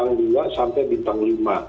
bintang dua sampai bintang lima